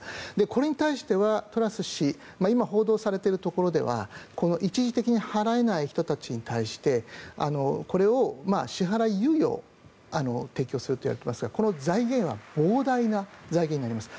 これに対しては、トラス氏今、報道されているところでは一時的に払えない人たちに対してこれを、支払い猶予を提供するといわれていますがこの財源は膨大な財源になります。